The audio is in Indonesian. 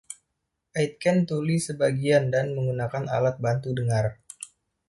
Aitken tuli sebagian dan menggunakan alat bantu dengar.